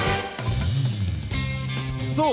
そう！